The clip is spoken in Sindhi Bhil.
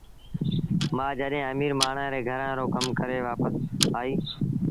مآ جڏهيݩ اميٚر مآڻهآݩ ري گھرآݩ رو ڪم ڪري وآپس آئيٚ